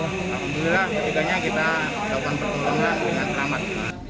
alhamdulillah ketiganya kita lakukan pertolongan dengan selamat